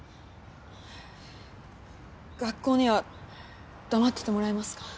学校には黙っててもらえますか？